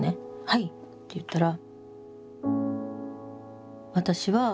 「はい」って言ったら。